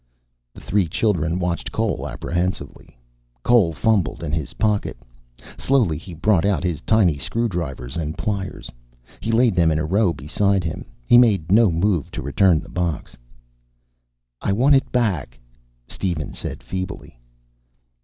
The three children watched Cole apprehensively. Cole fumbled in his pocket. Slowly he brought out his tiny screwdrivers and pliers. He laid them in a row beside him. He made no move to return the box. "I want it back," Steven said feebly.